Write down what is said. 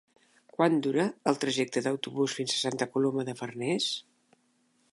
Quant dura el trajecte en autobús fins a Santa Coloma de Farners?